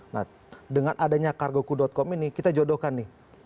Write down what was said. nah dengan adanya cargoku com ini kita jodohkan nih